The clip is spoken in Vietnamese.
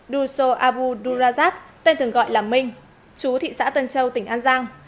đối tượng duso abu durajab tên thường gọi là minh chú thị xã tân châu tỉnh an giang